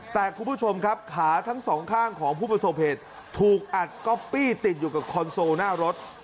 แต่คุณผู้ชมครับขาทั้งสองข้างของผู้ประสบเหตุถูกอัดก๊อปปี้ติดอยู่กับคอนโซลหน้ารถ